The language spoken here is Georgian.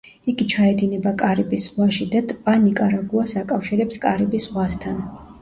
იგი ჩაედინება კარიბის ზღვაში და ტბა ნიკარაგუას აკავშირებს კარიბის ზღვასთან.